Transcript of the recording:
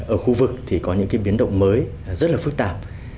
ở khu vực thì có những cái biến động mới rất là phức tạp